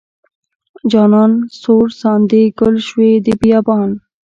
جانان سور ساندې ګل شوې د بیابان.